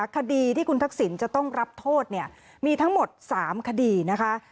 คดีที่คุณทักษิณจะต้องรับโทษเนี่ยมีทั้งหมด๓คดีนะคะ